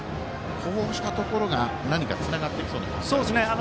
こうしたところが何かつながってきそうですか？